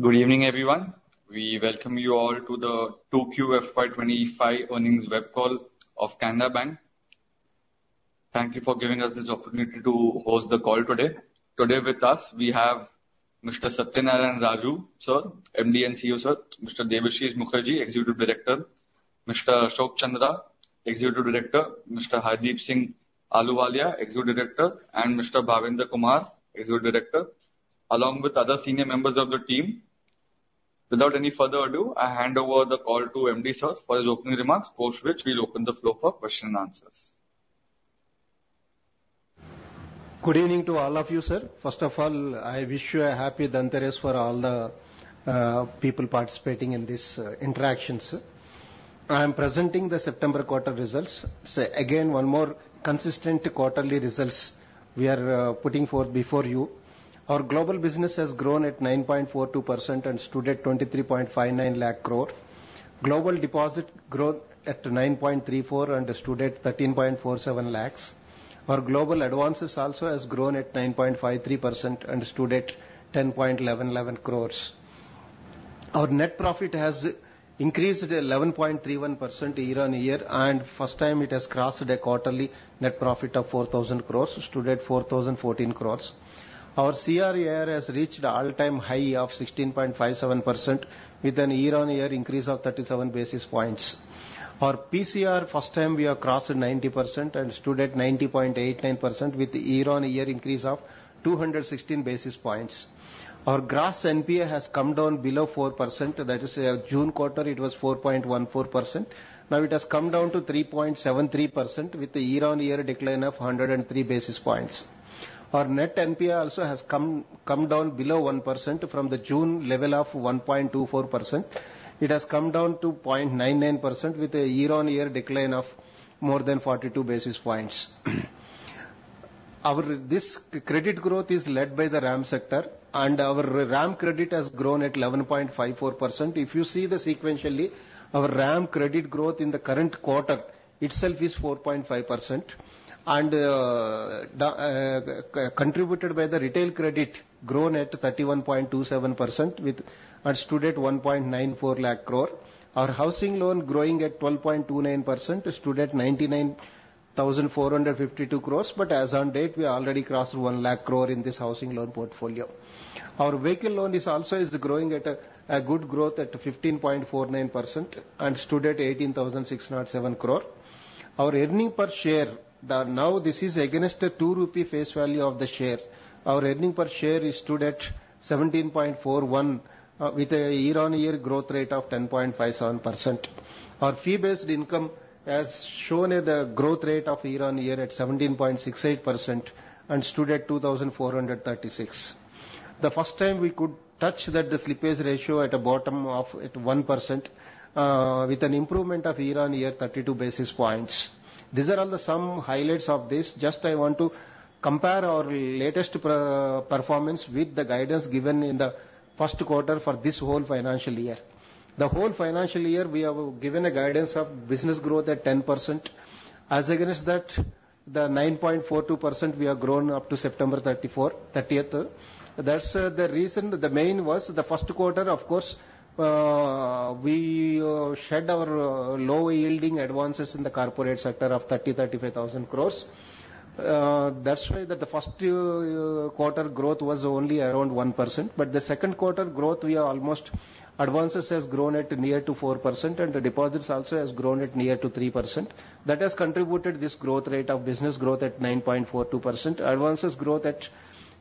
Good evening, everyone. We welcome you all to the 2Q FY 2025 earnings web call of Canara Bank. Thank you for giving us this opportunity to host the call today. Today with us, we have Mr. Satyanarayana Raju, sir, MD & CEO, sir. Mr. Debashish Mukherjee, Executive Director. Mr. Ashok Chandra, Executive Director. Mr. Hardeep Singh Ahluwalia, Executive Director, and Mr. Bhavendra Kumar, Executive Director, along with other senior members of the team. Without any further ado, I hand over the call to MD, sir, for his opening remarks, post which we'll open the floor for question and answers. Good evening to all of you, sir. First of all, I wish you a happy Dhanteras for all the people participating in this interactions. I am presenting the September quarter results. Again, one more consistent quarterly results we are putting forth before you. Our global business has grown at 9.42% and stood at 23.59 lakh crore. Global deposit growth at 9.34% and stood at 13.47 lakh crore. Our global advances also has grown at 9.53% and stood at 10.11 lakh crore. Our net profit has increased at 11.31% year on year, and first time it has crossed a quarterly net profit of 4,000 crore, stood at 4,014 crore. Our CRAR has reached all-time high of 16.57%, with a year-on-year increase of 37 basis points. Our PCR, first time we have crossed 90% and stood at 90.89%, with year-on-year increase of 216 basis points. Our gross NPA has come down below 4%. That is, June quarter, it was 4.14%. Now it has come down to 3.73%, with a year-on-year decline of 103 basis points. Our net NPA also has come down below 1% from the June level of 1.24%. It has come down to 0.99%, with a year-on-year decline of more than 42 basis points. This credit growth is led by the RAM sector, and our RAM credit has grown at 11.54%. If you see this sequentially, our RAM credit growth in the current quarter itself is 4.5% and contributed by the retail credit, grown at 31.27% and stood at 1.94 lakh crore. Our housing loan growing at 12.29%, stood at 99,452 crores, but as on date, we already crossed 1 lakh crore in this housing loan portfolio. Our vehicle loan is also growing at a good growth at 15.49% and stood at 18,607 crore. Our earnings per share. Now, this is against the 2-rupee face value of the share. Our earnings per share is stood at 17.41 with a year-on-year growth rate of 10.57%. Our fee-based income has shown the growth rate of year on year at 17.68% and stood at 2,436. The first time we could touch that, the slippage ratio at the bottom of 1%, with an improvement of year-on-year 32 basis points. These are all some highlights of this. Just I want to compare our latest performance with the guidance given in the first quarter for this whole financial year. The whole financial year, we have given a guidance of business growth at 10%. As against that, the 9.42%, we have grown up to September 30, 2024. That's the reason, the main was the first quarter, of course, we shed our low yielding advances in the corporate sector of 30-35,000 crores. That's why the first quarter growth was only around 1%. But the second quarter growth, advances has grown at near to 4%, and the deposits also has grown at near to 3%. That has contributed this growth rate of business growth at 9.42%, advances growth at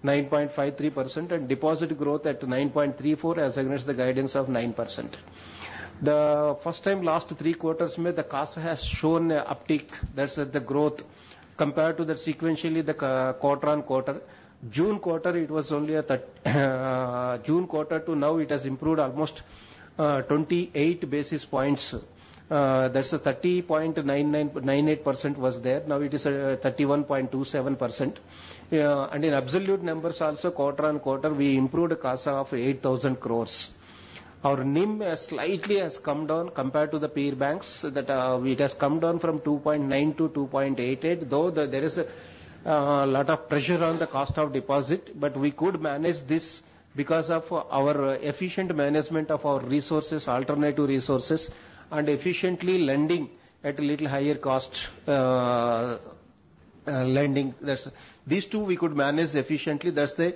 9.53%, and deposit growth at 9.34%, as against the guidance of 9%. The first time last three quarters where the CASA has shown an uptick, that's the growth compared to sequentially the quarter on quarter. June quarter, it was only at that, June quarter to now, it has improved almost 28 basis points. That's a thirty point nine nine nine eight percent was there. Now it is 31.27%. And in absolute numbers, also quarter on quarter, we improved a CASA of 8,000 crores. Our NIM has slightly come down compared to the peer banks, that it has come down from 2.9% to 2.88%, though there is a lot of pressure on the cost of deposit, but we could manage this because of our efficient management of our resources, alternative resources, and efficiently lending at a little higher cost, lending. That's these two we could manage efficiently. That's the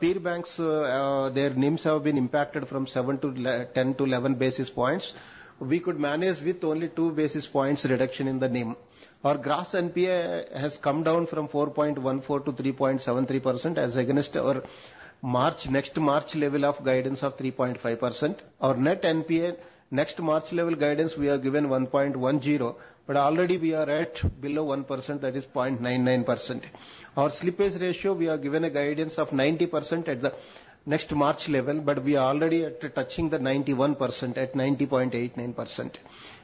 peer banks their NIMs have been impacted from 7 to 10 to 11 basis points. We could manage with only 2 basis points reduction in the NIM. Our gross NPA has come down from 4.14% to 3.73%, as against our March next March level of guidance of 3.5%. Our net NPA next March level guidance, we have given 1.10%, but already we are at below 1%, that is 0.99%. Our slippage ratio, we are given a guidance of 90% at the next March level, but we are already at touching the 91%, at 90.89%.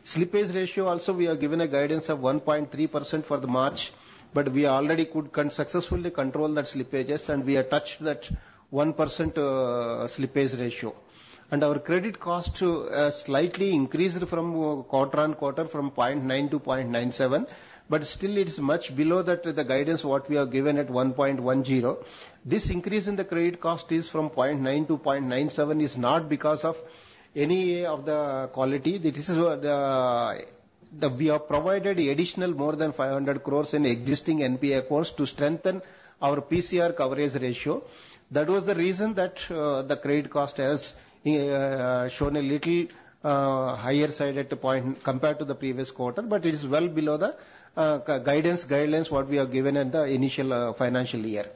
Slippage ratio also, we are given a guidance of 1.3% for the March, but we already could successfully control that slippages, and we have touched that 1% slippage ratio. And our credit cost slightly increased from quarter on quarter from 0.9% to 0.97%, but still it is much below the guidance what we have given at 1.10%. This increase in the credit cost from 0.9% to 0.97% is not because of any of the quality. This is where we have provided additional more than 500 crores in existing NPA portfolio to strengthen our PCR coverage ratio. That was the reason that the credit cost has shown a little higher side at a point compared to the previous quarter, but it is well below the guidance what we have given at the initial financial year.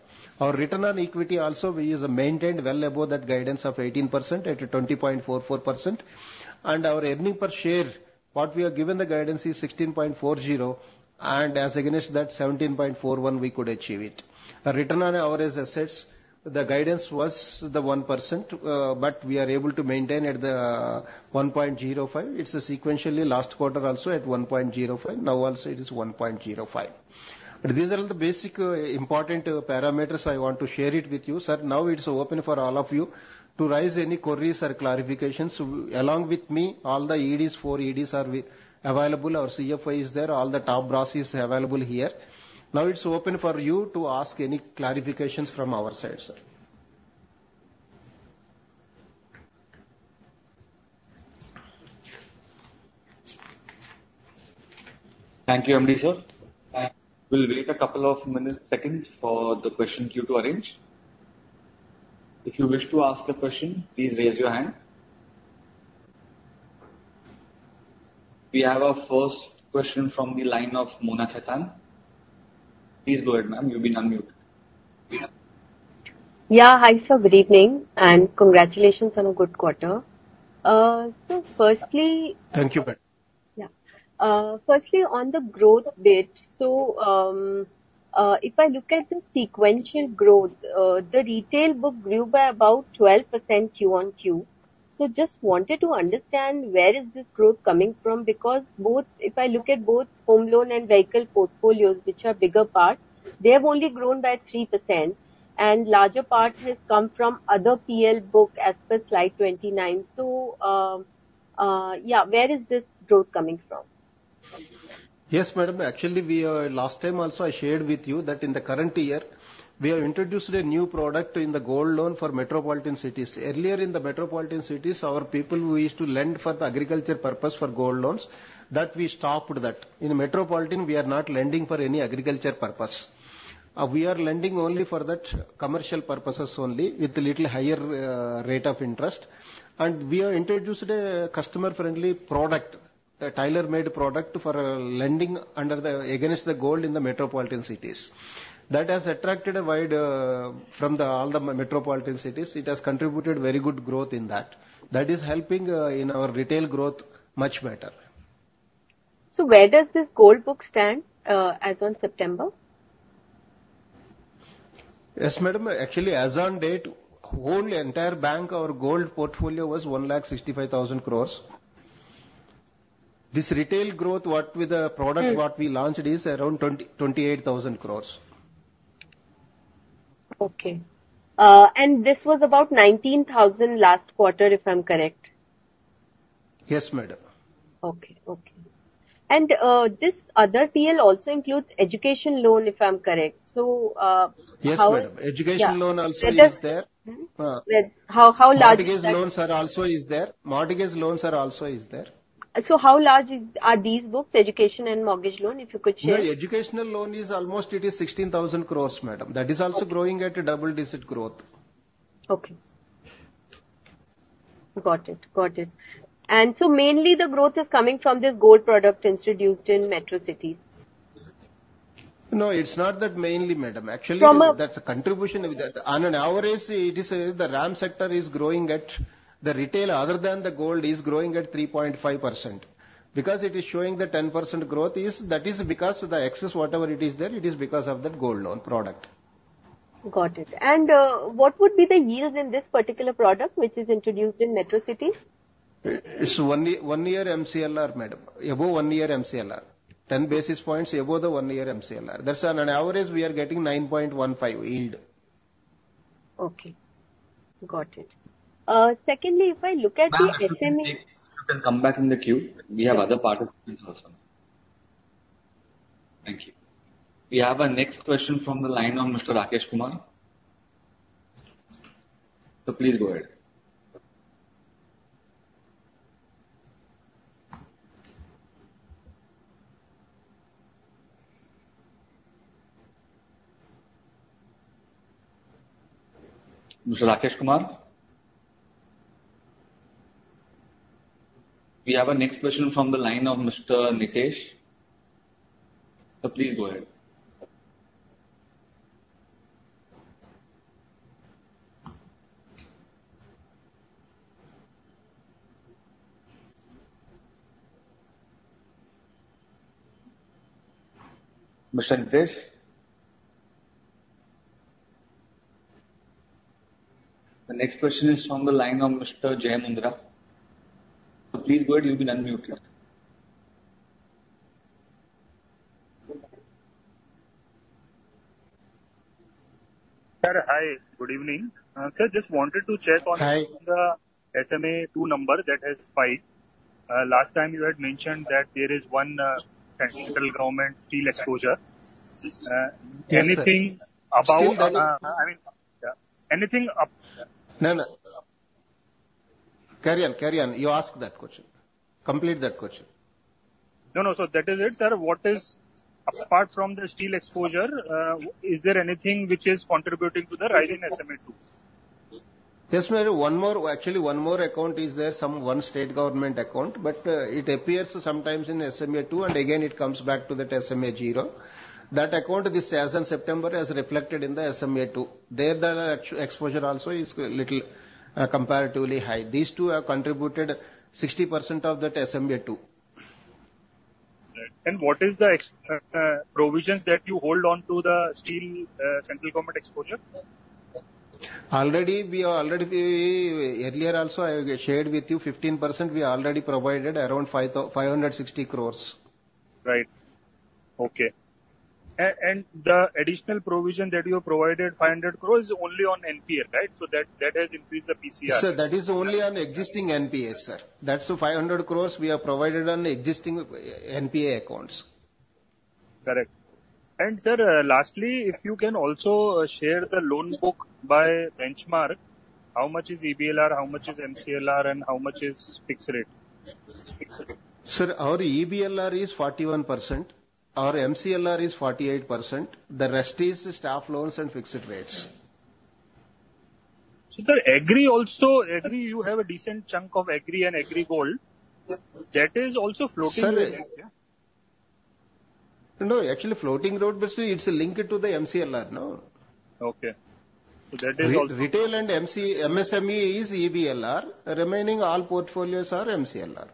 Our return on equity also, we have maintained well above that guidance of 18% at 20.44%. Our earnings per share, what we are given the guidance is 16.40, and as against that 17.41, we could achieve it. Our return on assets, the guidance was 1%, but we are able to maintain at 1.05%. It's sequentially last quarter also at 1.05%, now also it is 1.05%. But these are all the basic important parameters I want to share it with you, sir. Now, it's open for all of you to raise any queries or clarifications. Along with me, all the EDs, four EDs, are available, our CFO is there, all the top brass is available here. Now, it's open for you to ask any clarifications from our side, sir. Thank you, MD, sir, and we'll wait a couple of minutes, seconds for the question queue to arrange. If you wish to ask a question, please raise your hand. We have our first question from the line of Mona Khetan. Please go ahead, ma'am. You've been unmuted. Yeah. Hi, sir, good evening, and congratulations on a good quarter, so firstly- Thank you, ma'am. Yeah. Firstly, on the growth bit, so, if I look at the sequential growth, the retail book grew by about 12% Q on Q. So just wanted to understand, where is this growth coming from? Because both, if I look at both home loan and vehicle portfolios, which are bigger part, they have only grown by 3%, and larger part has come from other PL book as per slide 29. So, yeah, where is this growth coming from? Yes, madam. Actually, we. Last time also, I shared with you that in the current year, we have introduced a new product in the gold loan for metropolitan cities. Earlier in the metropolitan cities, our people who used to lend for the agriculture purpose for gold loans, that we stopped that. In the metropolitan, we are not lending for any agriculture purpose. We are lending only for that commercial purposes only, with a little higher rate of interest. And we have introduced a customer-friendly product, a tailor-made product for lending against the gold in the metropolitan cities. That has attracted widely from all the metropolitan cities. It has contributed very good growth in that. That is helping in our retail growth much better. So where does this gold book stand, as on September? Yes, madam. Actually, as on date, whole entire bank, our gold portfolio was one lakh 65,000 crores. This retail growth, what with the product- Mm. What we launched is around 28,000 crore. Okay. And this was about 19,000 last quarter, if I'm correct? Yes, madam. Okay. Okay. And, this other PL also includes education loan, if I'm correct. So, how- Yes, madam. Yeah. Education Loan also is there. Mm-hmm. Where, how large is that? Mortgage loans are also there. So, how large are these books, education and mortgage loan, if you could share? No, educational loan is almost, it is 16,000 crores, madam. Okay. That is also growing at a double digit growth. Okay. Got it. Got it. And so mainly the growth is coming from this gold product introduced in metro cities? No, it's not that mainly, madam. From a- Actually, that's a contribution. On an average, it is the RAM sector is growing at the retail, other than the gold, is growing at 3.5%. Because it is showing the 10% growth is, that is because the excess, whatever it is there, it is because of that gold loan product. Got it. And, what would be the yield in this particular product, which is introduced in metro cities? It's one year, one year MCLR, madam. Above one year MCLR. 10 basis points above the one year MCLR. That's on an average, we are getting nine point one five yield. Okay. Got it. Secondly, if I look at the SME- Ma'am actually, you can come back in the queue. We have other participants also. Thank you. We have our next question from the line of Mr. Rakesh Kumar. So please go ahead. Mr. Rakesh Kumar? We have our next question from the line of Mr. Ritesh. So please go ahead. Mr. Ritesh? The next question is from the line of Mr. Jai Mundhra. Please go ahead, you've been unmuted.... Sir, hi, good evening. Sir, just wanted to check on- Hi. The SMA-2 number that has spiked. Last time you had mentioned that there is one central government steel exposure. Yes, sir. Anything about, I mean- Steel only. Anything up- No, no. Carry on, carry on. You ask that question. Complete that question. No, no, sir. That is it, sir. What is, apart from the steel exposure, is there anything which is contributing to the rise in SMA two? Yes, maybe one more, actually one more account is there, some one state government account, but it appears sometimes in SMA two, and again it comes back to that SMA zero. That account, this as in September, has reflected in the SMA two. There, the actual exposure also is little comparatively high. These two have contributed 60% of that SMA two. Right. And what is the excess provisions that you hold on to the steel central government exposure? Already, earlier also, I shared with you 15%, we already provided around 560 crores. Right. Okay, and the additional provision that you have provided, 500 crores, is only on NPA, right? So that has increased the PCR. Sir, that is only on existing NPA, sir. That's the five hundred crores we have provided on existing NPA accounts. Correct. And, sir, lastly, if you can also share the loan book by benchmark, how much is EBLR, how much is MCLR, and how much is fixed rate? Sir, our EBLR is 41%. Our MCLR is 48%. The rest is staff loans and fixed rates. So the Agri also, Agri, you have a decent chunk of Agri and Agri gold. That is also floating rate? Sir... No, actually, floating rate, but still, it's linked to the MCLR, no? Okay, so that is also- Retail and MC- MSME is EBLR. Remaining all portfolios are MCLR.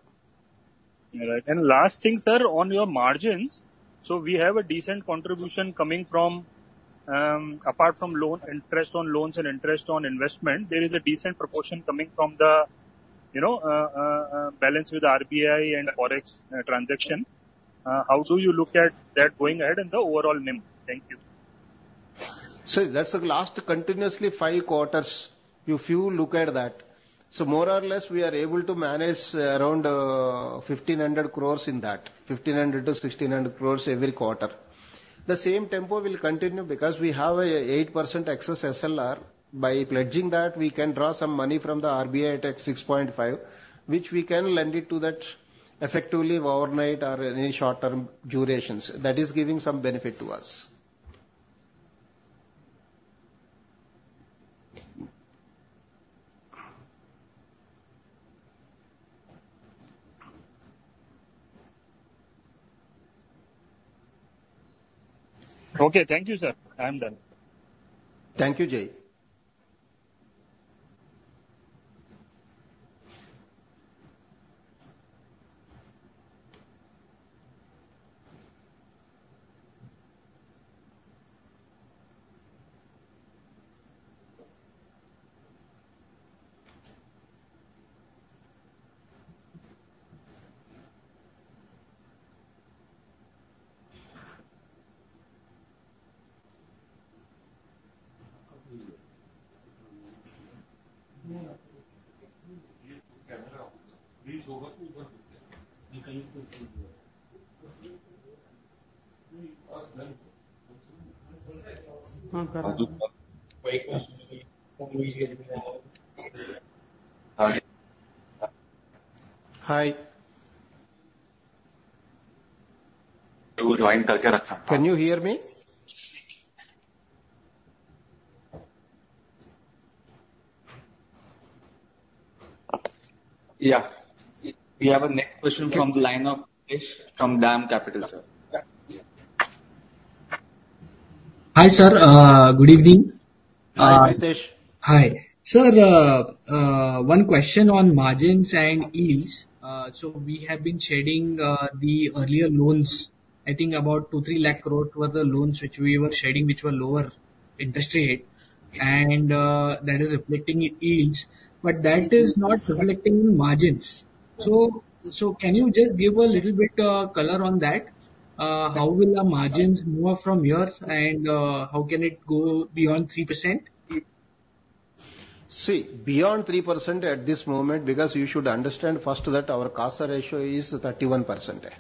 Right. And last thing, sir, on your margins. So we have a decent contribution coming from, apart from loan, interest on loans and interest on investment, there is a decent proportion coming from the, you know, balance with RBI and Forex, transaction. How do you look at that going ahead and the overall NIM? Thank you. That's the last continuously five quarters, if you look at that. More or less, we are able to manage around 1,500 crores in that, 1,500-1,600 crores every quarter. The same tempo will continue because we have a 8% excess SLR. By pledging that, we can draw some money from the RBI at 6.5, which we can lend it to that effectively overnight or any short-term durations. That is giving some benefit to us. Okay. Thank you, sir. I am done. Thank you, Jay. Hi. Hi. You join Can you hear me? Yeah. We have a next question from the line of Ritesh from DAM Capital, sir. Hi, sir. Good evening. Hi, Ritesh. Hi. Sir, one question on margins and yields. So we have been shedding the earlier loans. I think about two, three lakh crore were the loans which we were shedding, which were lower interest rate, and that is affecting yields, but that is not affecting margins. So can you just give a little bit color on that? How will the margins move from here, and how can it go beyond 3%? See, beyond 3% at this moment, because you should understand first that our CASA ratio is 31%.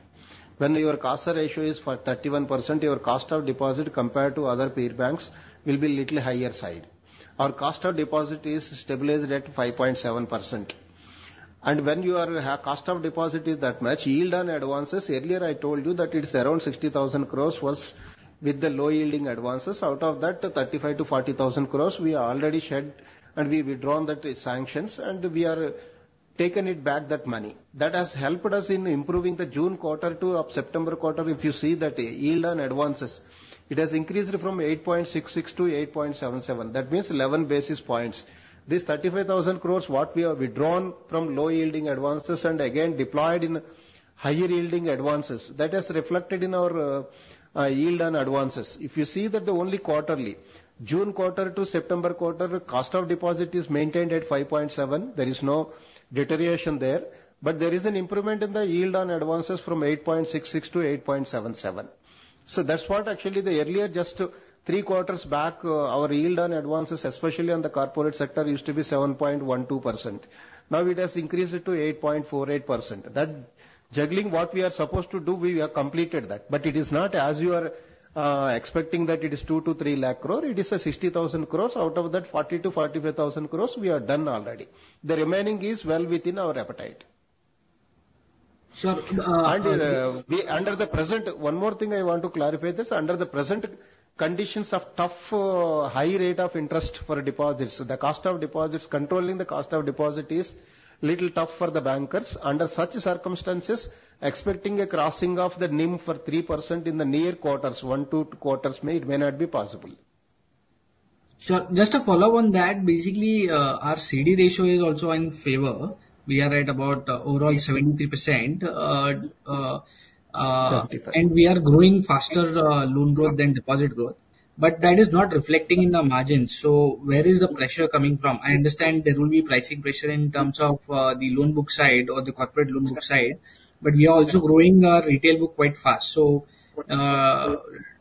When your CASA ratio is 31%, your cost of deposit compared to other peer banks will be little higher side. Our cost of deposit is stabilized at 5.7%. And when you have cost of deposit is that much, yield on advances, earlier I told you that it's around 60,000 crores was with the low-yielding advances. Out of that, 35,000 to 40,000 crores, we already shed, and we withdrawn that sanctions, and we are taking it back, that money. That has helped us in improving the June quarter to September quarter. If you see that yield on advances, it has increased from 8.66 to 8.77. That means 11 basis points. This 35,000 crore, what we have withdrawn from low-yielding advances and again deployed in higher-yielding advances, that has reflected in our yield on advances. If you see that the only quarterly, June quarter to September quarter, cost of deposit is maintained at 5.7%. There is no deterioration there, but there is an improvement in the yield on advances from 8.66% to 8.77%. So that's what actually the earlier, just three quarters back, our yield on advances, especially on the corporate sector, used to be 7.12%. Now it has increased it to 8.48%. That juggling what we are supposed to do, we have completed that, but it is not as you are expecting that it is 2-3 lakh crore. It is a 60,000 crores, out of that 40,000-45,000 crores we are done already. The remaining is well within our appetite. Sir, uh- And under the present, one more thing I want to clarify this. Under the present conditions of tough, high rate of interest for deposits, the cost of deposits. Controlling the cost of deposit is little tough for the bankers. Under such circumstances, expecting a crossing of the NIM for 3% in the near quarters, one, two quarters, may. It may not be possible. Sure. Just a follow on that, basically, our CD ratio is also in favor. We are at about overall 73%, and we are growing faster, loan growth than deposit growth, but that is not reflecting in the margins. So where is the pressure coming from? I understand there will be pricing pressure in terms of, the loan book side or the corporate loan book side, but we are also growing our retail book quite fast, so,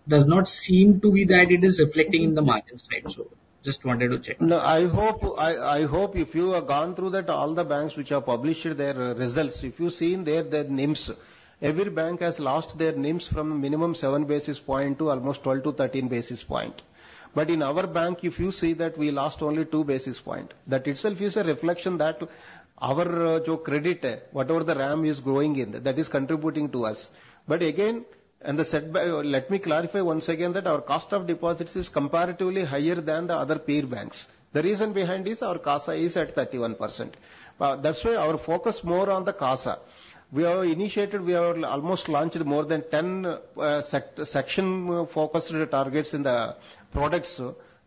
does not seem to be that it is reflecting in the margins side. So just wanted to check. No, I hope, I, I hope if you have gone through that, all the banks which have published their results, if you've seen their, their NIMS, every bank has lost their NIMS from minimum seven basis point to almost 12 to 13 basis point. But in our bank, if you see that, we lost only two basis point. That itself is a reflection that our credit, whatever the RAM is growing in, that is contributing to us. But again, and the set by-- let me clarify once again, that our cost of deposits is comparatively higher than the other peer banks. The reason behind is our CASA is at 31%. That's why our focus more on the CASA. We have initiated. We have almost launched more than 10 section-focused targets in the products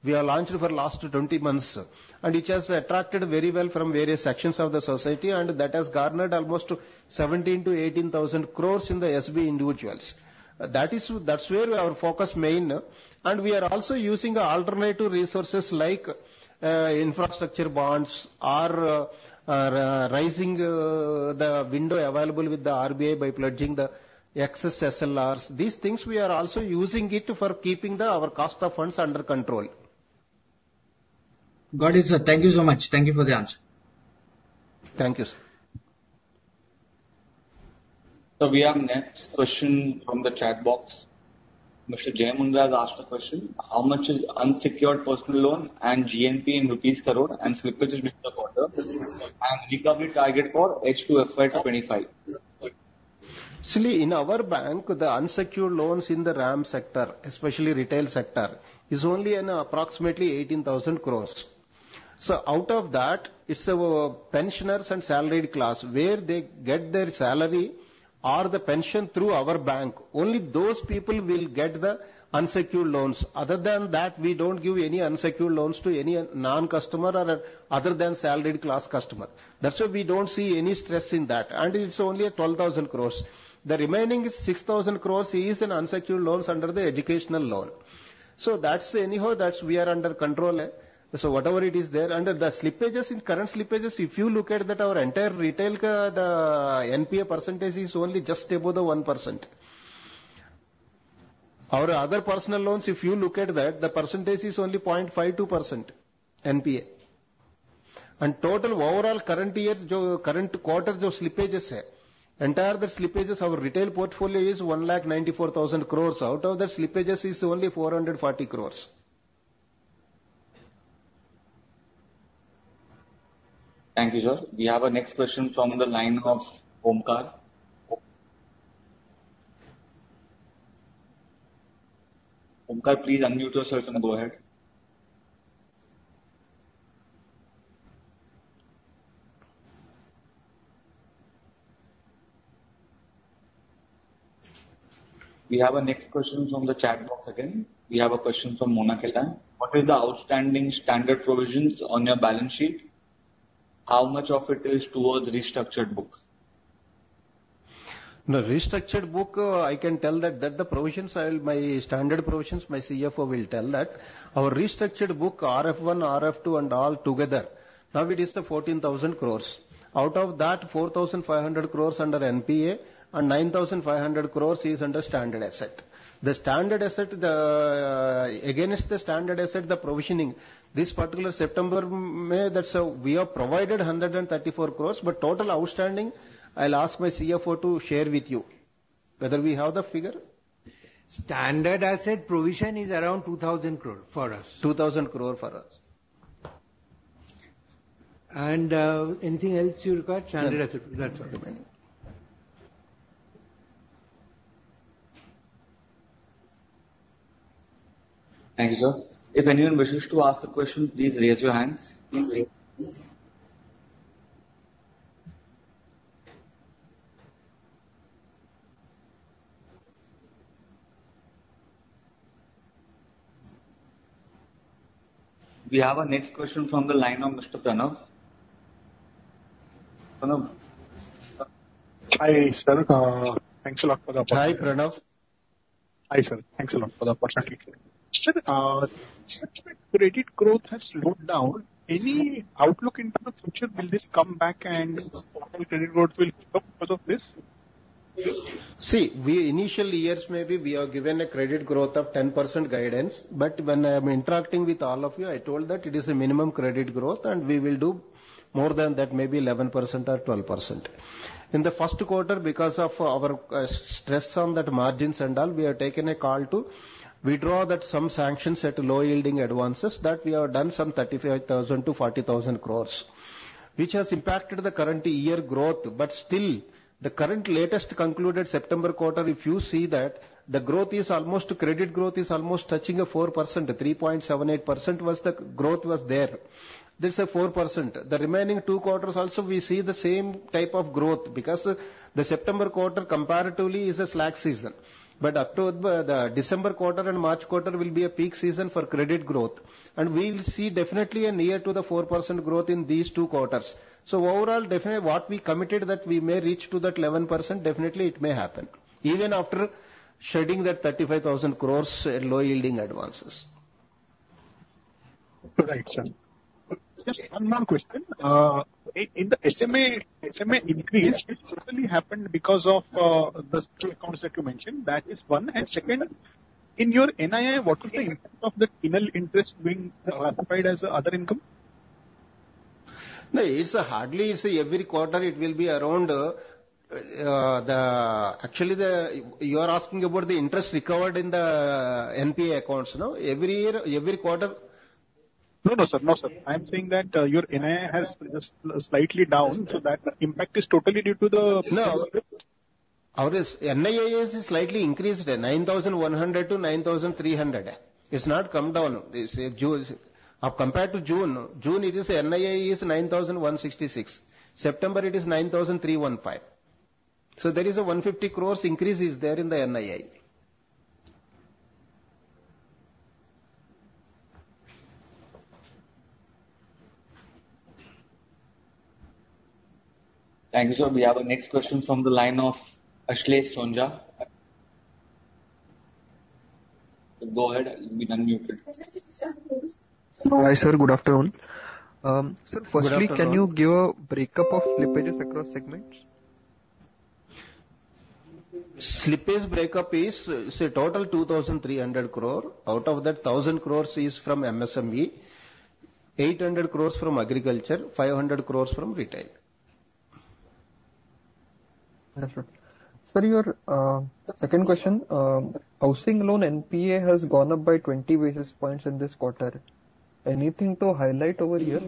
we have launched for the last 20 months, and which has attracted very well from various sections of the society, and that has garnered almost 17,000-18,000 crores in the SB individuals. That is, that's where our focus main. And we are also using alternative resources like infrastructure bonds or raising the window available with the RBI by pledging the excess SLRs. These things, we are also using it for keeping our cost of funds under control. Got it, sir. Thank you so much. Thank you for the answer. Thank you, sir. So we have next question from the chat box. Mr. Jai Mundhra has asked a question: How much is unsecured personal loan and GNPA in rupees crore and slippage this quarter, and recovery target for H2 FY 2025? See, in our bank, the unsecured loans in the RAM sector, especially retail sector, is only approximately 18,000 crores. So out of that, it's a pensioners and salaried class, where they get their salary or the pension through our bank, only those people will get the unsecured loans. Other than that, we don't give any unsecured loans to any non-customer or other than salaried class customer. That's why we don't see any stress in that, and it's only a 12,000 crores. The remaining 60,000 crores is in unsecured loans under the educational loan. So that's anyhow, that's we are under control. So whatever it is there. Under the slippages, in current slippages, if you look at that, our entire retail, the NPA percentage is only just above the 1%. Our other personal loans, if you look at that, the percentage is only 0.52% NPA. And total overall current year, current quarter slippages, entire the slippages, our retail portfolio is 1 lakh 94,000 crores. Out of that, slippages is only 440 crores. Thank you, sir. We have our next question from the line of Omkar. Omkar, please unmute yourself and go ahead. We have our next question from the chat box again. We have a question from Mona Khetan. What is the outstanding standard provisions on your balance sheet? How much of it is towards restructured book? The restructured book, I can tell that the provisions, I'll my standard provisions, my CFO will tell that. Our restructured book, RF one, RF two, and all together, now it is the 14,000 crores. Out of that, 4,500 crores under NPA and 9,500 crores is under standard asset. The standard asset, against the standard asset, the provisioning, this particular September, May, that's we have provided 134 crores, but total outstanding, I'll ask my CFO to share with you. Whether we have the figure? Standard asset provision is around 2,000 crore for us. 2,000 crore for us. And, anything else you require? Standard asset, that's all. Thank you, sir. If anyone wishes to ask a question, please raise your hands. We have our next question from the line of Mr. Pranav. Pranav? Hi, sir. Thanks a lot for the opportunity. Hi, Pranav. Hi, sir. Thanks a lot for the opportunity. Sir, such that credit growth has slowed down, any outlook into the future, will this come back and total credit growth will because of this? See, in initial years, maybe we have given a credit growth of 10% guidance, but when I am interacting with all of you, I told that it is a minimum credit growth, and we will do more than that, maybe 11% or 12%. In the first quarter, because of our stress on the margins and all, we have taken a call to withdraw some sanctions at low yielding advances, that we have done some 35,000-40,000 crores, which has impacted the current year growth. But still, the current latest concluded September quarter, if you see that, the growth is almost, credit growth is almost touching a 4%, 3.78% was the growth was there. There's a 4%. The remaining two quarters also, we see the same type of growth, because the September quarter comparatively is a slack season. But October, the December quarter and March quarter will be a peak season for credit growth, and we will see definitely a near to the 4% growth in these two quarters. So overall, definitely, what we committed that we may reach to that 11%, definitely it may happen, even after shedding that 35,000 crores low yielding advances. Right, sir. Just one more question. In the SMA increase, it totally happened because of the accounts that you mentioned. That is one. And second, in your NII, what is the impact of the final interest being classified as other income? No, it's hardly. It's every quarter it will be around. Actually, you are asking about the interest recovered in the NPA accounts, no? Every year, every quarter. No, no, sir. No, sir. I'm saying that your NII has been just slightly down, so that impact is totally due to the- No. Our is, NII is slightly increased, 9,100-9,300. It's not come down. This June. Compared to June, June it is NII is 9,166. September, it is 9,315. So there is a INR I50 crores increase is there in the NII. Thank you, sir. We have our next question from the line of Akhilesh Sonje. Go ahead, you've been unmuted. Hi, sir. Good afternoon. Sir, firstly- Good afternoon. Can you give a breakup of slippages across segments? Slippage breakup is, say, total 2,300 crore. Out of that, 1,000 crore is from MSME, 800 crore from agriculture, 500 crore from retail. Understood. Sir, your second question, housing loan NPA has gone up by 20 basis points in this quarter. Anything to highlight over here?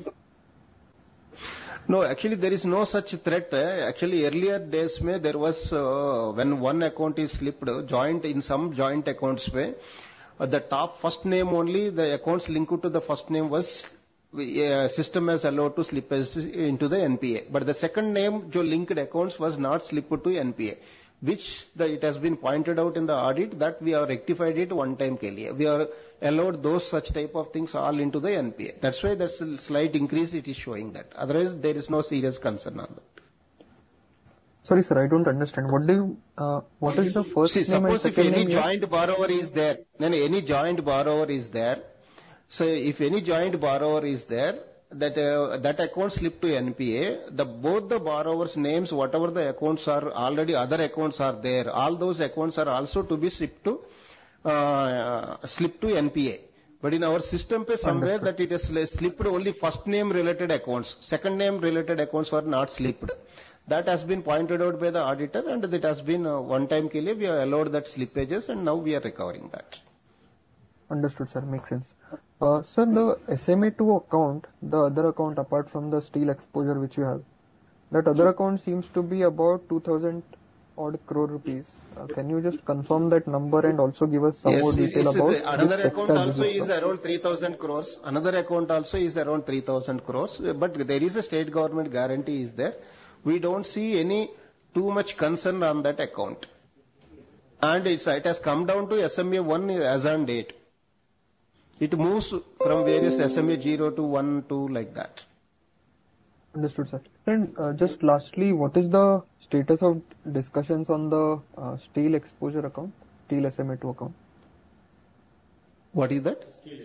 No, actually, there is no such threat. Actually, earlier days may there was, when one account is slipped, joint, in some joint accounts way, the top first name only, the accounts linked to the first name was, system has allowed to slip into the NPA. But the second name, jo linked accounts, was not slipped to NPA, which the, it has been pointed out in the audit that we have rectified it one time clearly. We are allowed those such type of things all into the NPA. That's why there's a slight increase it is showing that. Otherwise, there is no serious concern on that. Sorry, sir, I don't understand. What is the first name and second name? See, suppose if any joint borrower is there, then any joint borrower is there. So if any joint borrower is there, that account slipped to NPA, the both the borrower's names, whatever the accounts are, already other accounts are there, all those accounts are also to be slipped to, slipped to NPA. But in our system somewhere, that it is slipped only first name related accounts. Second name related accounts were not slipped. That has been pointed out by the auditor, and it has been, one time clearly, we have allowed that slippages, and now we are recovering that. Understood, sir. Makes sense. Sir, the SMA-2 account, the other account, apart from the steel exposure which you have, that other account seems to be about 2,000 odd crore. Can you just confirm that number and also give us some more detail about? Yes. Another account also is around 3,000 crores, but there is a state government guarantee is there. We don't see any too much concern on that account, and it has come down to SMA-1 as on date. It moves from various SMA zero to one, two, like that. Understood, sir. And, just lastly, what is the status of discussions on the steel exposure account, steel SMA-2 account? What is that? Steel.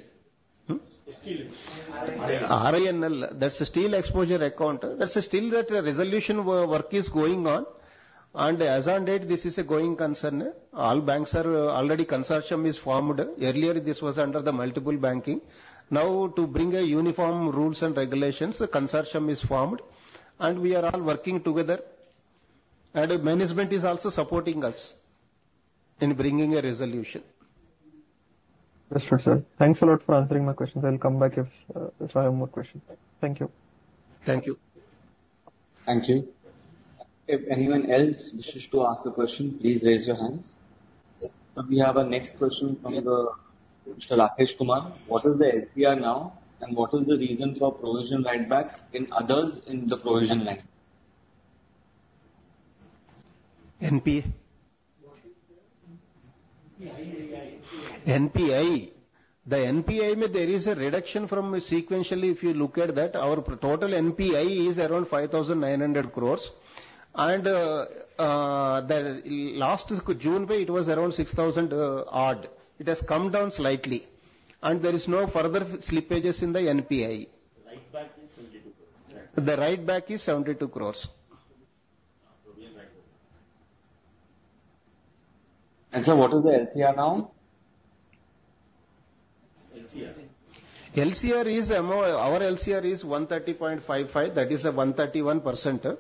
Hmm? Steel. RINL, that's a steel exposure account. That's a steel that resolution work is going on, and as on date, this is a going concern. All banks are already consortium is formed. Earlier, this was under the multiple banking. Now to bring a uniform rules and regulations, a consortium is formed, and we are all working together, and management is also supporting us in bringing a resolution. Understood, sir. Thanks a lot for answering my questions. I'll come back if I have more questions. Thank you. Thank you. Thank you. If anyone else wishes to ask a question, please raise your hands. We have our next question from, Mr. Rakesh Kumar: What is the NPI now, and what is the reason for provision write-back in others in the provision line? NPA? NPI. NPI. The NPI, there is a reduction from sequentially, if you look at that, our total NPI is around 5900 crores. And, the last June, it was around 6,000, odd. It has come down slightly, and there is no further slippages in the NPI. Write back is 72 crore. The write-back is 72 crores. And so what is the LCR now? LCR. Our LCR is 130.55. That is 131%.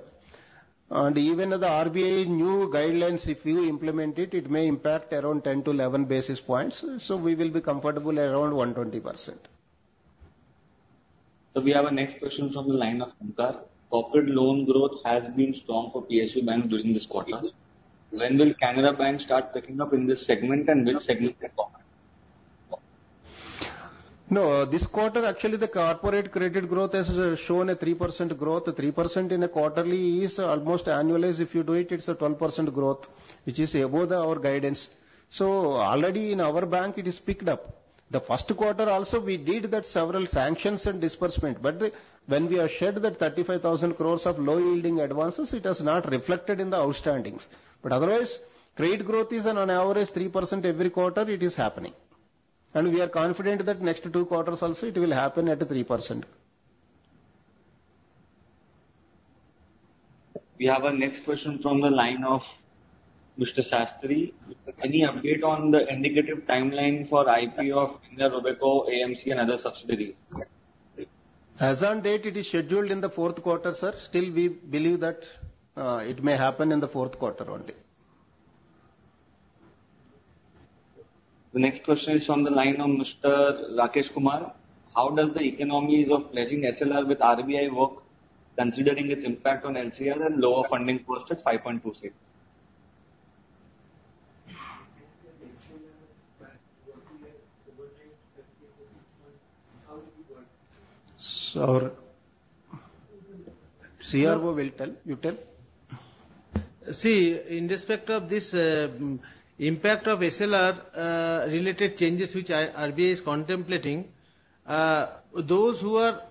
And even with the RBI new guidelines, if we implement it, it may impact around 10 to 11 basis points, so we will be comfortable around 120%. So we have our next question from the line of Shankar. Corporate loan growth has been strong for PSU banks during this quarter. When will Canara Bank start picking up in this segment, and which segment in particular? No, this quarter, actually, the corporate credit growth has shown a 3% growth. 3% in a quarterly is almost annualized. If you do it, it's a 12% growth, which is above our guidance. So already in our bank, it is picked up. The first quarter also, we did that, several sanctions and disbursement, but the when we have shared that 35,000 crore of low-yielding advances, it has not reflected in the outstandings. But otherwise, credit growth is on an average 3% every quarter it is happening. And we are confident that next two quarters also, it will happen at 3%. We have our next question from the line of Mr. Sastry. Any update on the indicative timeline for IPO of Canara Robeco Asset Management Company and other subsidiaries? As on date, it is scheduled in the fourth quarter, sir. Still, we believe that, it may happen in the fourth quarter only. The next question is from the line of Mr. Rakesh Kumar: How does the economics of pledging SLR with RBI work, considering its impact on LCR and lower funding cost at 5.26? CRO will tell. You tell. See, in respect of this, impact of SLR related changes which RBI is contemplating, those who are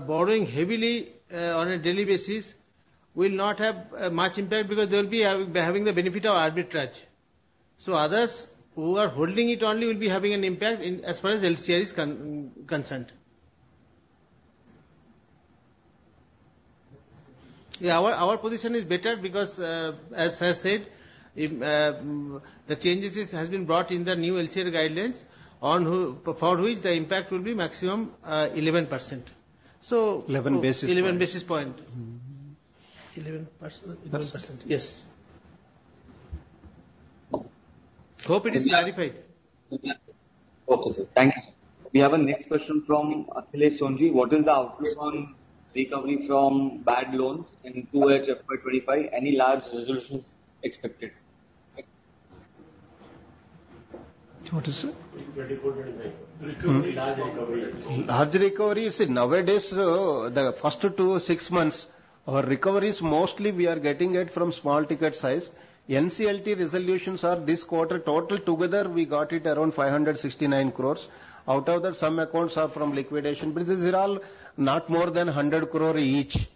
borrowing heavily on a daily basis will not have much impact because they will be having the benefit of arbitrage. So others who are holding it only will be having an impact in as far as LCR is concerned. Yeah, our position is better because, as I said, if the changes has been brought in the new LCR guidelines for which the impact will be maximum, 11%. So- Eleven basis point. 11 basis point. 11%. Percent. Yes. Hope it is clarified. Okay, sir. Thank you. We have our next question from Akhilesh Sonje: What is the outlook on recovery from bad loans in FY 2025? Any large resolutions expected? What is it? Large recovery. Large recovery. See, nowadays, the first two, six months, our recoveries, mostly we are getting it from small ticket size. NCLT resolutions are this quarter, total together, we got it around 569 crores. Out of that, some accounts are from liquidation, but these are all not more than 100 crore each.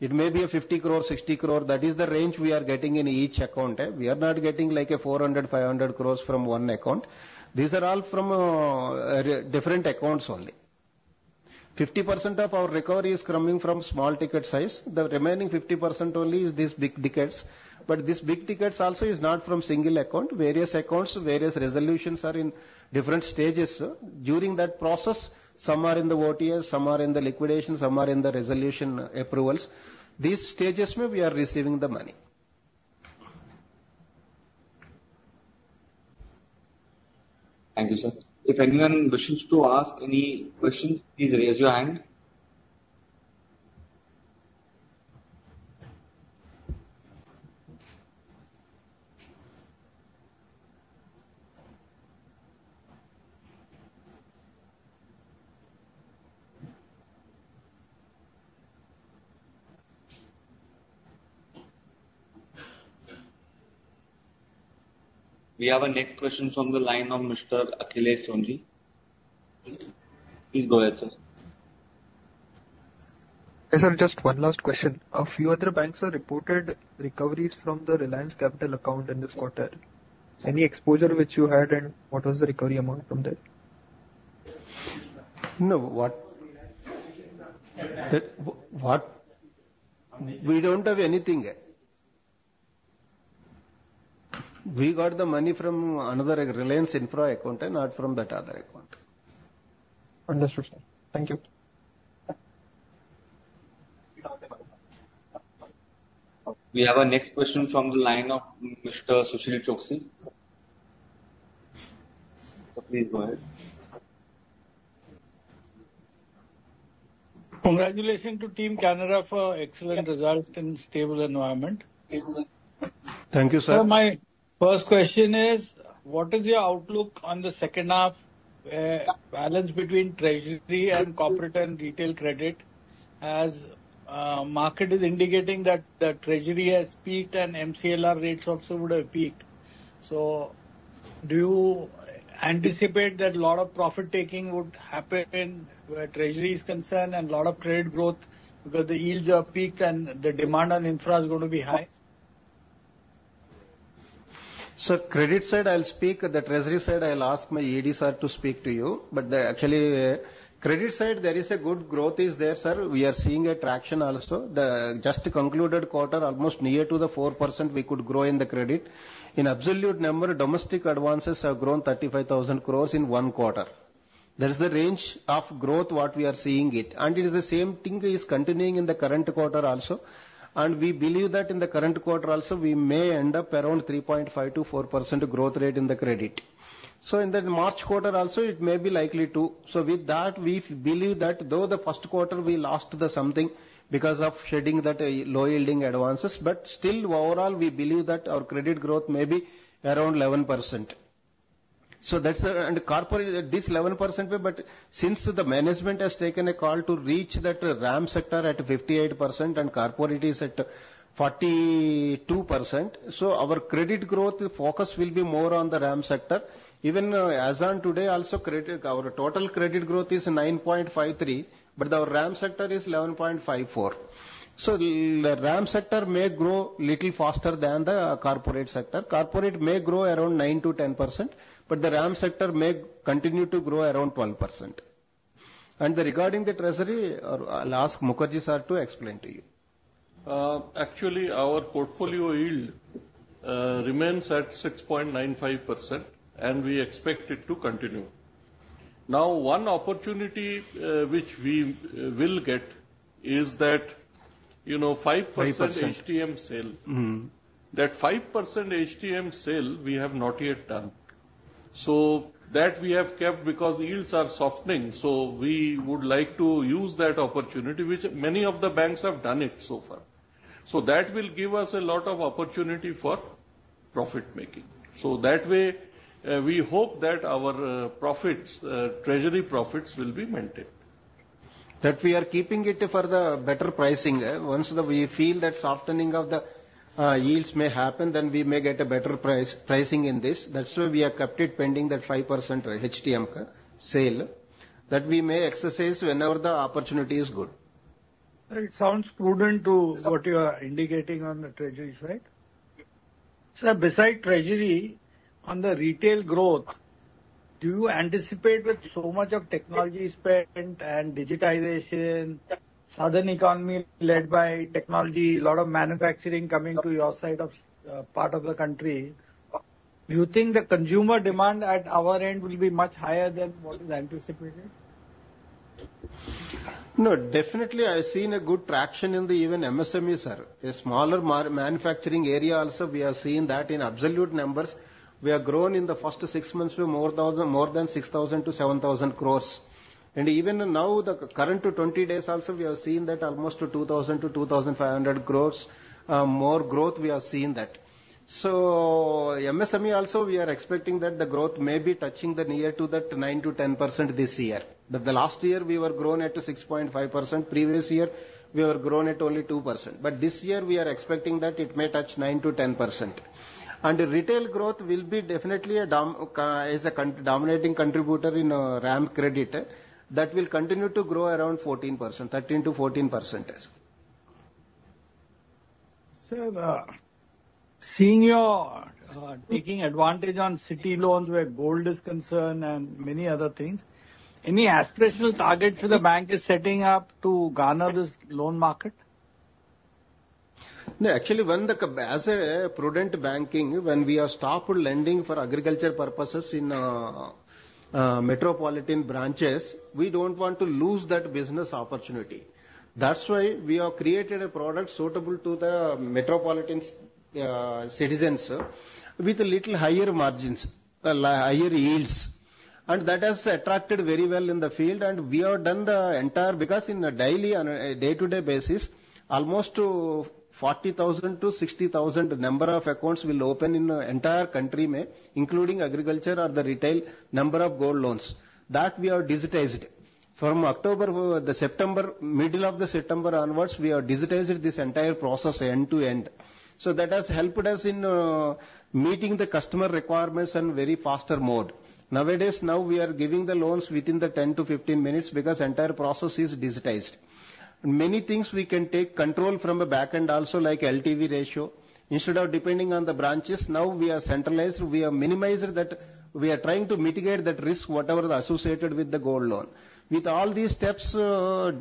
It may be a 50 crore, 60 crore. That is the range we are getting in each account. We are not getting like a 400, 500 crores from one account. These are all from, different accounts only. 50% of our recovery is coming from small ticket size. The remaining 50% only is these big tickets, but these big tickets also is not from single account. Various accounts, various resolutions are in different stages. During that process, some are in the OTS, some are in the liquidation, some are in the resolution approvals. These stages may be receiving the money. Thank you, sir. If anyone wishes to ask any question, please raise your hand. We have our next question from the line of Mr. Akhilesh Sonje. Please go ahead, sir. Yes, sir, just one last question. A few other banks have reported recoveries from the Reliance Capital account in this quarter. Any exposure which you had, and what was the recovery amount from that? No, what? We don't have anything. We got the money from another Reliance Infra account, and not from that other account. Understood, sir. Thank you. We have our next question from the line of Mr. Sushil Choksey. Please go ahead. Congratulations to Team Canara for excellent results and stable environment. Thank you, sir. So my first question is: What is your outlook on the second half, balance between treasury and corporate and retail credit, as market is indicating that the treasury has peaked and MCLR rates also would have peaked. Do you anticipate that a lot of profit taking would happen where treasury is concerned and a lot of credit growth, because the yields are peaked and the demand on infra is going to be high? So credit side, I'll speak. The treasury side, I'll ask my AD sir to speak to you. But actually, credit side, there is a good growth is there, sir. We are seeing a traction also. The just concluded quarter, almost near to the 4% we could grow in the credit. In absolute number, domestic advances have grown 35,000 crore in one quarter. That is the range of growth what we are seeing it, and it is the same thing is continuing in the current quarter also. And we believe that in the current quarter also, we may end up around 3.5%-4% growth rate in the credit. So in the March quarter also, it may be likely, too. So with that, we believe that though the first quarter we lost some because of shedding that low-yielding advances, but still, overall, we believe that our credit growth may be around 11%. So that's the and corporate this 11%, but since the management has taken a call to reach that RAM sector at 58% and corporate is at 42%, so our credit growth focus will be more on the RAM sector. Even as on today, also, credit, our total credit growth is 9.53%, but our RAM sector is 11.54%. So the RAM sector may grow little faster than the corporate sector. Corporate may grow around 9%-10%, but the RAM sector may continue to grow around 11%. And regarding the treasury, I'll ask Mukherjee sir to explain to you. Actually, our portfolio yield remains at 6.95%, and we expect it to continue. Now, one opportunity which we will get is that, you know, 5%- Five percent. -HTM sale. Mm-hmm. That 5% HTM sale we have not yet done. So that we have kept because yields are softening, so we would like to use that opportunity, which many of the banks have done it so far. So that will give us a lot of opportunity for profit making. So that way, we hope that our profits, treasury profits will be maintained. That we are keeping it for the better pricing. Once we feel that softening of the yields may happen, then we may get a better price, pricing in this. That's why we have kept it pending, that 5% HTM sale, that we may exercise whenever the opportunity is good. Sir, it sounds prudent to what you are indicating on the treasuries, right? Sir, besides treasury, on the retail growth, do you anticipate with so much of technology spend and digitization, southern economy led by technology, a lot of manufacturing coming to your side of part of the country, do you think the consumer demand at our end will be much higher than what is anticipated? No, definitely, I've seen a good traction in the even MSME, sir. A smaller manufacturing area also, we have seen that in absolute numbers. We have grown in the first six months to more than 6,000 crore to 7,000 crore. And even now, the current to twenty days also, we have seen that almost 2,000 crore to 2,500 crore, more growth we have seen that. So MSME also, we are expecting that the growth may be touching near to that 9%-10% this year. The last year, we were grown at 6.5%. Previous year, we were grown at only 2%. But this year, we are expecting that it may touch 9%-10%. And retail growth will be definitely a dominating contributor in RAM credit. That will continue to grow around 14%, 13%-14%. Sir, seeing you are taking advantage on gold loans where gold is concerned and many other things, any aspirational targets the bank is setting up to garner this loan market? No, actually, when, as a prudent banking, when we have stopped lending for agriculture purposes in metropolitan branches, we don't want to lose that business opportunity. That's why we have created a product suitable to the metropolitan citizens with a little higher margins, higher yields. And that has attracted very well in the field, and we have done the entire. Because in a daily and a day-to-day basis, almost 40,000-60,000 number of accounts will open in the entire country, including agriculture or the retail number of gold loans. That we have digitized. From the middle of September onwards, we have digitized this entire process end to end. So that has helped us in meeting the customer requirements in very faster mode. Nowadays, now we are giving the loans within 10-15 minutes because entire process is digitized. Many things we can take control from the back end also, like LTV ratio. Instead of depending on the branches, now we are centralized. We have minimized that. We are trying to mitigate that risk, whatever is associated with the gold loan. With all these steps, we are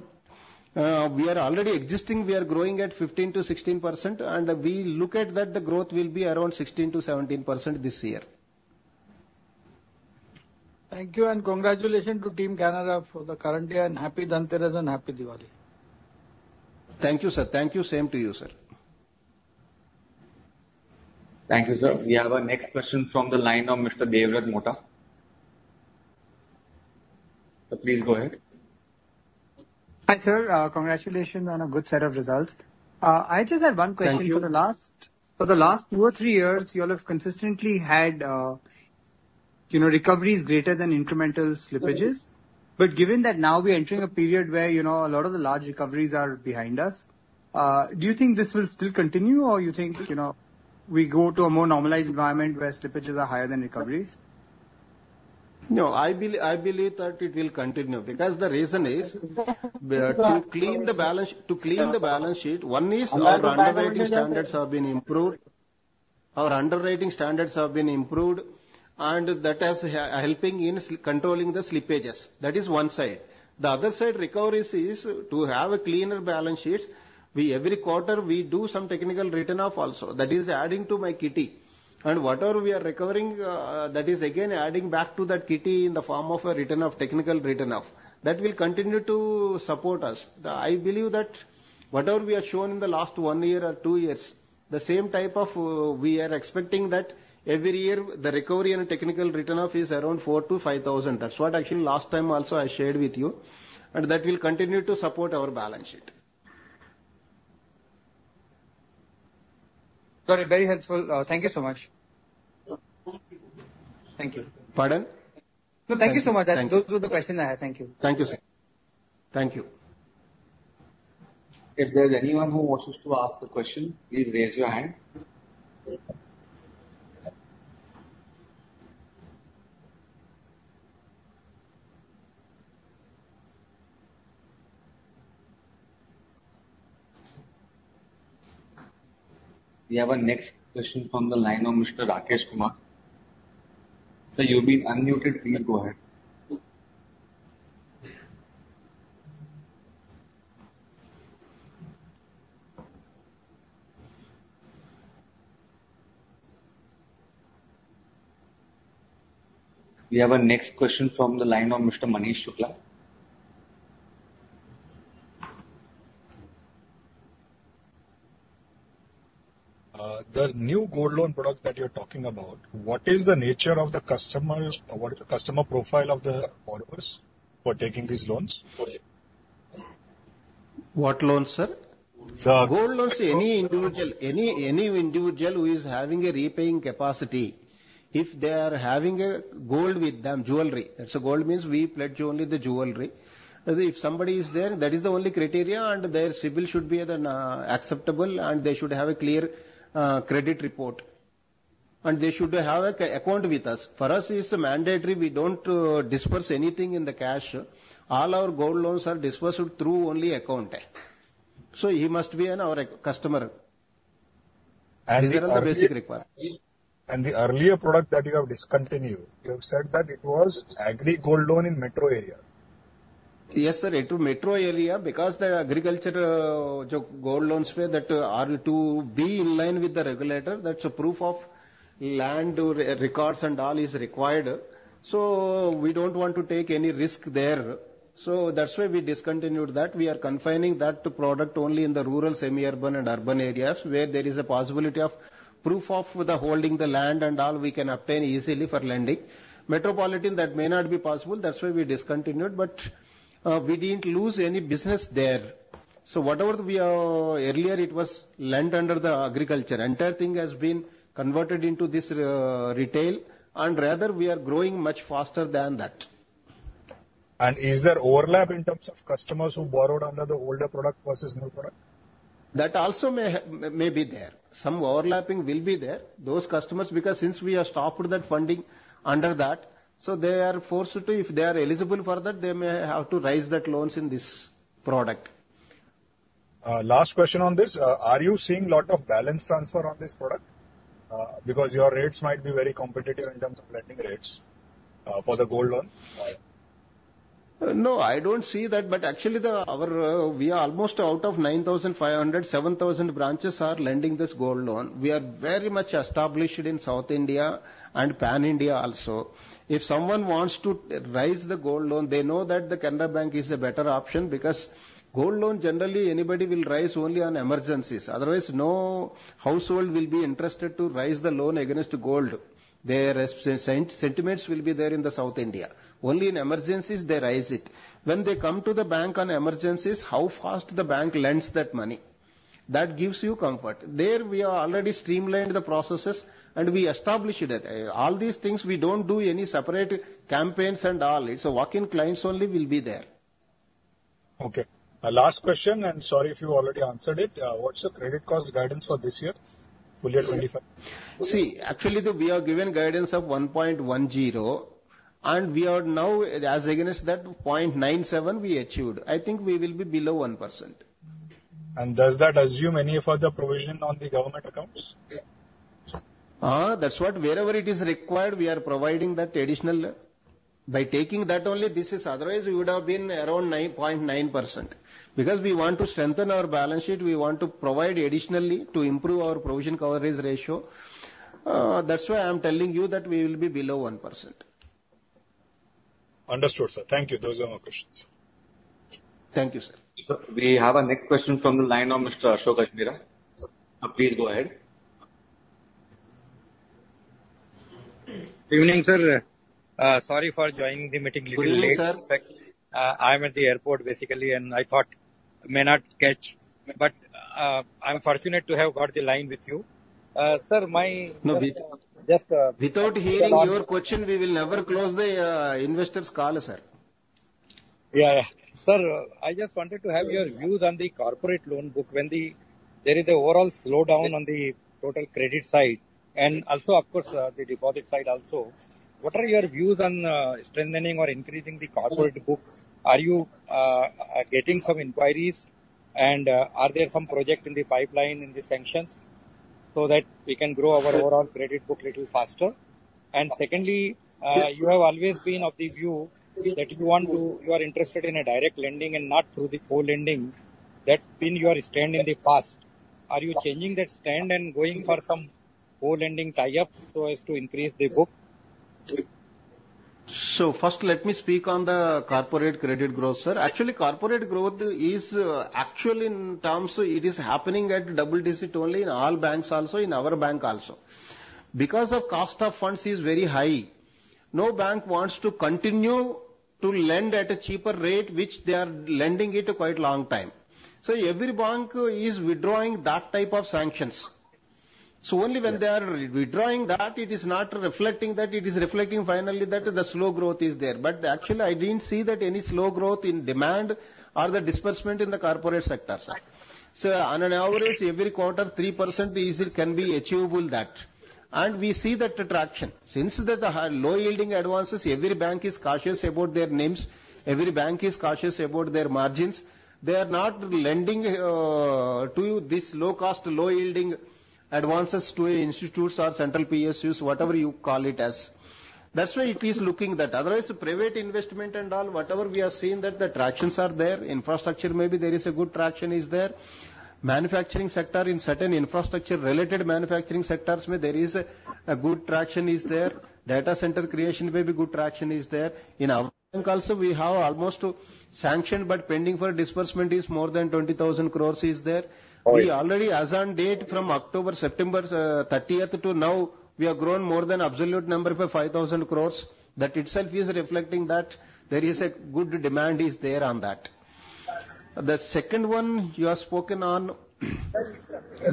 already existing. We are growing at 15%-16%, and we look at that the growth will be around 16%-17% this year. Thank you, and congratulations to Team Canara for the current year, and Happy Dhanteras and Happy Diwali. Thank you, sir. Thank you. Same to you, sir. Thank you, sir. We have our next question from the line of Mr. Devrat Mota. Please go ahead. Hi, sir. Congratulations on a good set of results. I just had one question. Thank you. For the last two or three years, you all have consistently had, you know, recovery is greater than incremental slippages. But given that now we're entering a period where, you know, a lot of the large recoveries are behind us, do you think this will still continue? Or you think, you know, we go to a more normalized environment where slippages are higher than recoveries? No, I believe that it will continue, because the reason is, to clean the balance sheet, one is our underwriting standards have been improved. Our underwriting standards have been improved, and that has helping in controlling the slippages. That is one side. The other side, recoveries, is to have a cleaner balance sheets. We every quarter, we do some technical write-off also. That is adding to my kitty. And whatever we are recovering, that is again adding back to that kitty in the form of a write-off, technical write-off. That will continue to support us. I believe that whatever we have shown in the last one year or two years, the same type of, we are expecting that every year, the recovery and technical write-off is around 4,000-5,000. That's what actually last time also I shared with you, and that will continue to support our balance sheet. Got it. Very helpful. Thank you so much. Thank you. Pardon? No, thank you so much. Thank you. Those were the questions I had. Thank you. Thank you, sir. Thank you. If there is anyone who wishes to ask the question, please raise your hand. We have our next question from the line of Mr. Rakesh Kumar. Sir, you've been unmuted. Please go ahead. We have our next question from the line of Mr. Manish Shukla. The new Gold Loan product that you're talking about, what is the nature of the customers or what is the customer profile of the borrowers for taking these loans? What loans, sir? The- Gold loans, any individual, any individual who is having a repaying capacity, if they are having gold with them, jewelry. And so gold means we pledge only the jewelry. If somebody is there, that is the only criteria, and their CIBIL should be then acceptable, and they should have a clear credit report. And they should have an account with us. For us, it's mandatory, we don't disperse anything in cash. All our gold loans are dispersed through only account. So he must be our customer. And the earlier- These are the basic requirements. The earlier product that you have discontinued, you have said that it was agri gold loan in metro area. Yes, sir, into metro area, because the agricultural gold loans that are to be in line with the regulator, that's a proof of land or records and all is required. So we don't want to take any risk there. So that's why we discontinued that. We are confining that product only in the rural, semi-urban and urban areas, where there is a possibility of proof of the holding the land and all we can obtain easily for lending. Metropolitan, that may not be possible. That's why we discontinued, but we didn't lose any business there. So whatever we are, earlier, it was lent under the agricultural. Entire thing has been converted into this, retail, and rather, we are growing much faster than that. Is there overlap in terms of customers who borrowed under the older product versus new product? That also may be there. Some overlapping will be there. Those customers, because since we have stopped that funding under that, so they are forced to, if they are eligible for that, they may have to raise that loans in this product. Last question on this. Are you seeing lot of balance transfer on this product? Because your rates might be very competitive in terms of lending rates for the gold loan. No, I don't see that, but actually, the, our, we are almost out of 9,500, 7,000 branches are lending this gold loan. We are very much established in South India and Pan India also. If someone wants to raise the gold loan, they know that the Canara Bank is a better option because gold loan, generally, anybody will raise only on emergencies. Otherwise, no household will be interested to raise the loan against gold. Their sentiments will be there in the South India. Only in emergencies, they raise it. When they come to the bank on emergencies, how fast the bank lends that money? That gives you comfort. There, we have already streamlined the processes, and we established it. All these things, we don't do any separate campaigns and all. It's walk-in clients only will be there. Okay. Last question, and sorry if you already answered it. What's the credit cost guidance for this year, full year 2025? See, actually, though, we have given guidance of 1.10, and we are now, as against that, 0.97, we achieved. I think we will be below 1%. Does that assume any further provision on the government accounts? That's what, wherever it is required, we are providing that additional. By taking that only, this is otherwise, we would have been around 9.9%. Because we want to strengthen our balance sheet, we want to provide additionally to improve our provision coverage ratio. That's why I'm telling you that we will be below 1%. Understood, sir. Thank you. Those are my questions. Thank you, sir. We have our next question from the line of Mr. Ashok Ajmera. Please go ahead. Evening, sir. Sorry for joining the meeting little late. Good evening, sir. I'm at the airport, basically, and I thought-... may not catch, but, I'm fortunate to have got the line with you. Sir, my- No, without- Just, uh- Without hearing your question, we will never close the investors call, sir. Yeah. Sir, I just wanted to have your views on the corporate loan book. When there is an overall slowdown on the total credit side, and also, of course, the deposit side also. What are your views on strengthening or increasing the corporate book? Are you getting some inquiries, and are there some projects in the pipeline in the sanctions so that we can grow our overall credit book a little faster? And secondly, you have always been of the view that you are interested in direct lending and not through the co-lending. That's been your stand in the past. Are you changing that stand and going for some co-lending tie-up so as to increase the book? So first, let me speak on the corporate credit growth, sir. Actually, corporate growth is actual in terms; it is happening at double-digit only in all banks also, in our bank also. Because of cost of funds is very high, no bank wants to continue to lend at a cheaper rate, which they are lending it quite long time. So every bank is withdrawing that type of sanctions. So only when they are withdrawing that, it is not reflecting; that it is reflecting finally that the slow growth is there. But actually, I didn't see that any slow growth in demand or the disbursement in the corporate sector, sir. So on an average, every quarter, 3% is can be achievable that, and we see that traction. Since that the low-yielding advances, every bank is cautious about their NIMs; every bank is cautious about their margins. They are not lending to this low-cost, low-yielding advances to institutions or central PSUs, whatever you call it as. That's why it is looking that. Otherwise, private investment and all, whatever we are seeing, that the traction is there. Infrastructure, maybe there is a good traction is there. Manufacturing sector, in certain infrastructure related manufacturing sectors, there is a good traction is there. Data center creation, maybe good traction is there. In our bank also, we have almost sanctioned, but pending for disbursement is more than 20,000 crores is there. Right. We already, as on date, from October, September thirtieth to now, we have grown more than absolute number for 5,000 crores. That itself is reflecting that there is a good demand is there on that. The second one you have spoken on-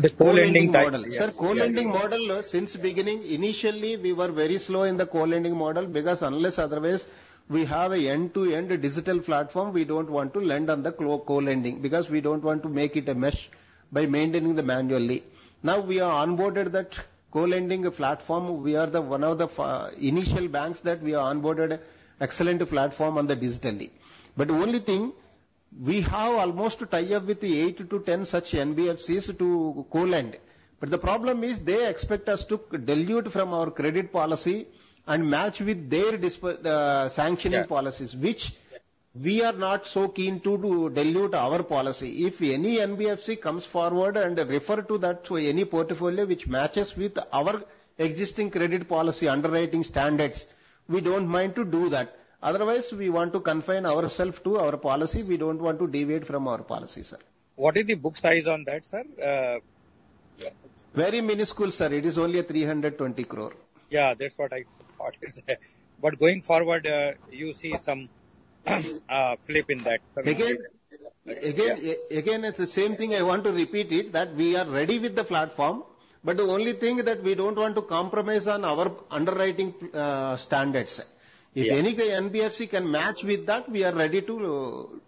The co-lending model. Co-lending model. Yeah. Sir, co-lending model, since beginning, initially, we were very slow in the co-lending model because unless otherwise, we have an end-to-end digital platform, we don't want to lend on the co-lending, because we don't want to make it a mess by maintaining manually. Now, we are onboarded that co-lending platform. We are one of the initial banks that we are onboarded excellent platform on the digitally. But only thing, we have almost tie-up with the eight to ten such NBFCs to co-lend. But the problem is they expect us to dilute from our credit policy and match with their disbursement sanctioning policies- Yeah. Which we are not so keen to dilute our policy. If any NBFC comes forward and refer to that through any portfolio which matches with our existing credit policy underwriting standards, we don't mind to do that. Otherwise, we want to confine ourself to our policy. We don't want to deviate from our policy, sir. What is the book size on that, sir? Very minuscule, sir. It is only 320 crore. Yeah, that's what I thought. But going forward, you see some fillip in that. Again, again, again, it's the same thing. I want to repeat it, that we are ready with the platform, but the only thing that we don't want to compromise on our underwriting standards. Yeah. If any, the NBFC can match with that. We are ready to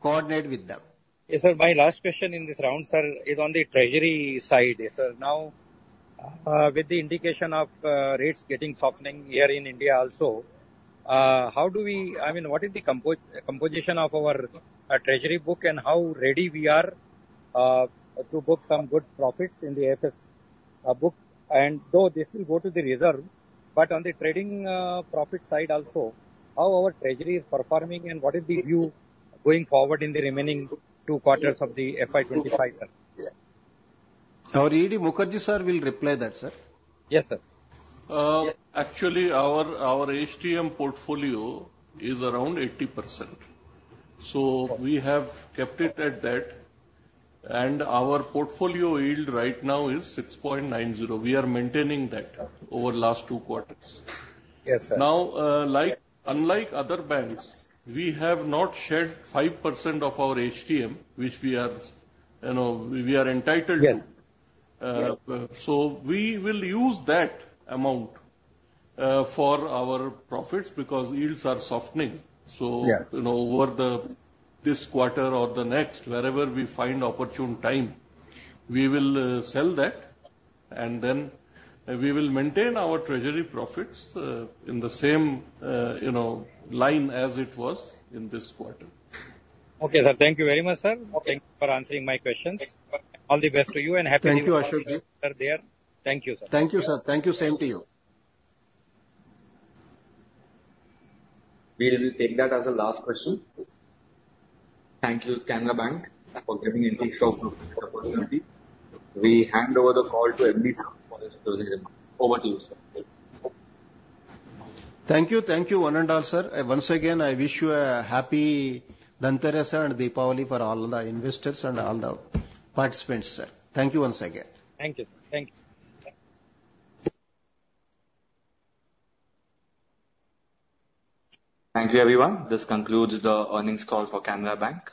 coordinate with them. Yes, sir. My last question in this round, sir, is on the treasury side. Sir, now, with the indication of rates getting softening here in India also, how do we... I mean, what is the composition of our treasury book, and how ready we are to book some good profits in the AFS book? And though this will go to the reserve, but on the trading profit side also, how our treasury is performing and what is the view going forward in the remaining two quarters of the FY 2025, sir? Our Debashish Mukherjee sir will reply that, sir. Yes, sir. Actually, our HTM portfolio is around 80%. So we have kept it at that, and our portfolio yield right now is 6.90. We are maintaining that over the last two quarters. Yes, sir. Now, like, unlike other banks, we have not shed 5% of our HTM, which we are, you know, we are entitled to. Yes. We will use that amount for our profits because yields are softening. Yeah. You know, over this quarter or the next, wherever we find opportune time, we will sell that, and then we will maintain our treasury profits in the same, you know, line as it was in this quarter. Okay, sir. Thank you very much, sir. Okay. Thank you for answering my questions. Thank you. All the best to you and happy- Thank you, Ashok ji. There. Thank you, sir. Thank you, sir. Thank you. Same to you. We will take that as the last question. Thank you, Canara Bank, for giving Antique Stock Broking the opportunity. We hand over the call to MD for these closing remarks. Over to you, sir. Thank you. Thank you, one and all, sir. Once again, I wish you a happy Dhanteras and Diwali for all the investors and all the participants, sir. Thank you once again. Thank you. Thank you. Thank you, everyone. This concludes the earnings call for Canara Bank.